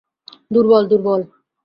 দুর্বল, দুর্বল!